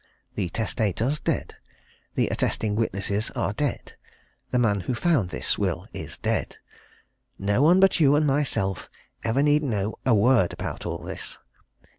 The testator's dead. The attesting witnesses are dead. The man who found this will is dead. No one but you and myself ever need know a word about all this.